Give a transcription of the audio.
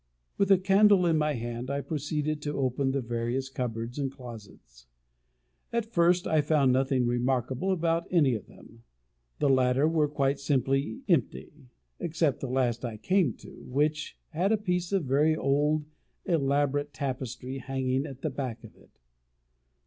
With a candle in my hand, I proceeded to open the various cupboards and closets. At first I found nothing remarkable about any of them. The latter were quite empty, except the last I came to, which had a piece of very old elaborate tapestry hanging at the back of it.